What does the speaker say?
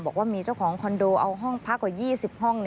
บอกว่ามีเจ้าของคอนโดเอาห้องพักกว่า๒๐ห้อง